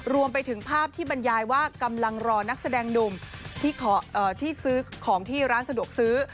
รวมไปถึงภาพที่บรรยายว่ากำลังรอนักแสดงหนุ่มที่ซื้อของที่ร้านสะดวกซื้อ